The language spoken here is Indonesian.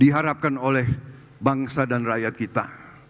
diharapkan oleh bangsa dan rakyat kita